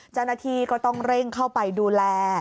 จันทีก็ต้องเร่งเข้าไปดูแล